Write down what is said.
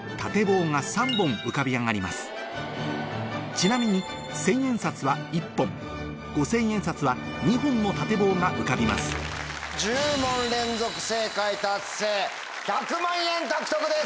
ちなみに１０００円札は１本５０００円札は２本のたて棒が浮かびます１０問連続正解達成１００万円獲得です！